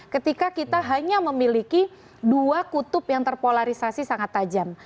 ketika kita hanya memiliki dua kutub yang terpolarisasi sangat tajam